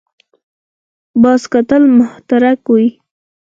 باز تل متحرک وي